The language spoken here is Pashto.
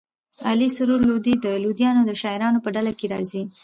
علي سرور لودي د لودیانو د شاعرانو په ډله کښي راځي.